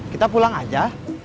kita pulang aja